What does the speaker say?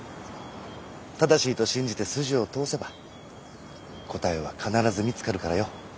正しいと信じて筋を通せば答えは必ず見つかるからよ。